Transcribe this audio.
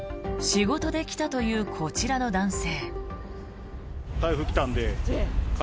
仕事で来たというこちらの男性。